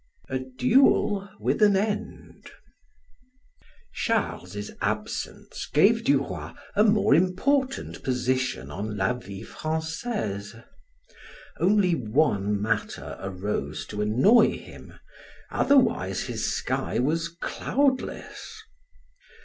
A DUEL WITH AN END Charles's absence gave Duroy a more important position on "La Vie Francaise." Only one matter arose to annoy him, otherwise his sky was cloudless.